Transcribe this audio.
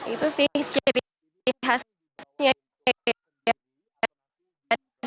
itu sih ciri khasnya